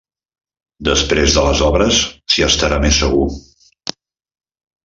Després de les obres, s'hi estarà més segur.